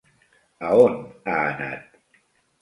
A on ha anat?